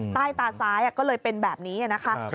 ใต้ตาซ้ายก็เลยเป็นแบบนี้นะคะ